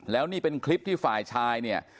แล้วนี่เป็นคลิปที่ฝ่ายชายเนี่ย